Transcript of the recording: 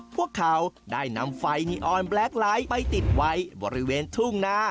พวกเขาได้นำไฟนีออนแบล็คไลท์ไปติดไว้บริเวณทุ่งหน้า